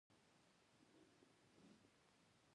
اوښ د افغان تاریخ په کتابونو کې ذکر شوی دی.